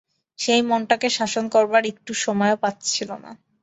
সেই মনটাকে শাসন করবার একটুও সময় পাচ্ছিল না।